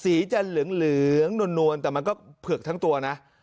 สีจะเหลืองนวลแต่มันก็เผือกทั้งตัวนะ